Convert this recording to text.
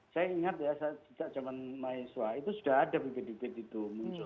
saya ingat ya sejak zaman mahasiswa itu sudah ada bibit bibit itu muncul